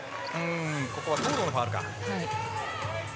ここは東藤のファウル。